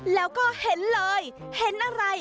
แล้วก็เห็นเลยเห็นอะไร